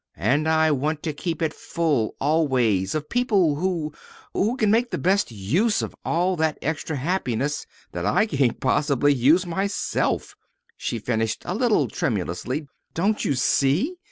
And I want to keep it full, always, of people who who can make the best use of all that extra happiness that I can't possibly use myself," she finished a little tremulously. "Don't you see?"